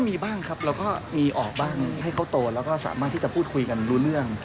มีบ้างครับเราก็มีออกบ้างให้เขาโตแล้วก็สามารถที่จะพูดคุยกันรู้เรื่อง